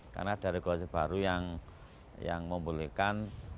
karena ada regulasi baru yang membolehkan